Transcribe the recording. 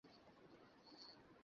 কিছুই তো নন্দ করে নাই।